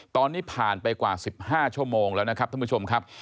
ตอนนี้ผ่านไปกว่า๑๕ชั่วโมงแล้วนะครับท่านผู้ชมครับ